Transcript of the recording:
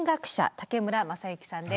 武村雅之さんです。